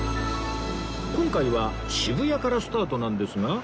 今回は渋谷からスタートなんですが